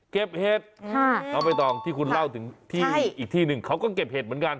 เก็บเห็ดเอาไปต่อที่คุณเล่าถึงที่อีกที่นึงเขาก็เก็บเห็ดเหมือนกัน